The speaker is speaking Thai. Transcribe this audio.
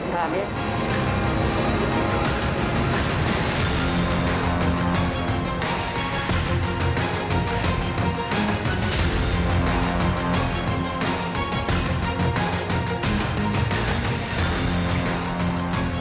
ถามเนี่ย